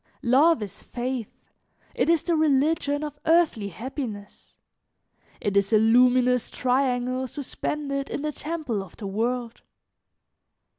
Love is faith, it is the religion of earthly happiness, it is a luminous triangle suspended in the temple of the world.